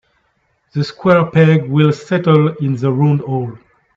The square peg will settle in the round hole.